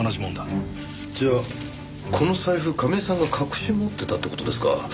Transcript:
じゃあこの財布亀井さんが隠し持ってたって事ですか。